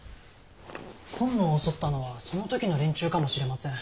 今野を襲ったのはその時の連中かもしれません。